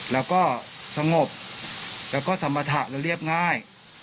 แล้วก็สงบแล้วก็สัมภัทรเรียบง่าย